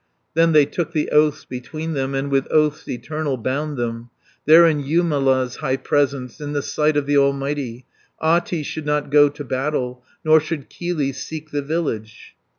Then they took the oaths between them, And with oaths eternal bound them, 310 There in Jumala's high presence, In the sight of the Almighty, Ahti should not go to battle, Nor should Kylli seek the village.